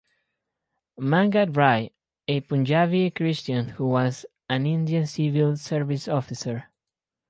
Mangat Rai, a Punjabi Christian who was an Indian Civil Service officer.